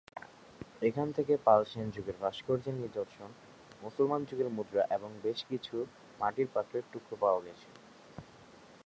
এখান থেকে পাল-সেনযুগের ভাস্কর্যের নিদর্শন, মুসলমান যুগের মুদ্রা এবং বেশ কিছু মাটির পাত্রের টুকরো পাওয়া গেছে।